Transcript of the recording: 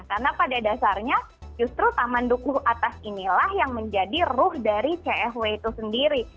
karena pada dasarnya justru taman dukuh atas inilah yang menjadi ruh dari cfw itu sendiri